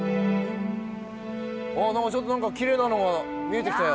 何かちょっと何かきれいなのが見えてきたよ。